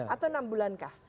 atau enam bulankah